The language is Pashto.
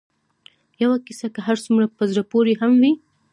یوه کیسه که هر څومره په زړه پورې هم وي